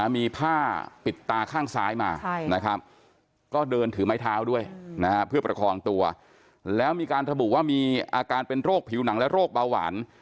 มีผ้าปิดตาข้างซ้ายมานะครับก็เดินถือไม้เท้าด้วยเพื่อประคองตัวแล้วมีการระบุว่ามีอาการเป็นโรคผิวหนังและโรคเบาหวาน